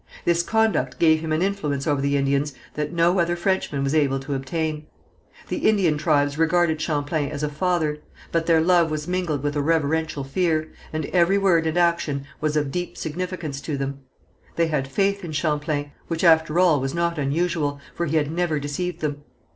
This conduct gave him an influence over the Indians that no other Frenchman was able to obtain. The Indian tribes regarded Champlain as a father, but their love was mingled with a reverential fear, and every word and action was of deep significance to them. They had faith in Champlain, which after all was not unusual, for he had never deceived them.